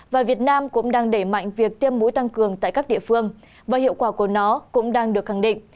và việt nam cũng đang đẩy mạnh việc tiêm mũi tăng cường tại các địa phương và hiệu quả của nó cũng đang được khẳng định